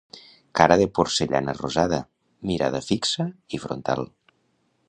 Cara de porcellana rosada, mirada fixa i frontal.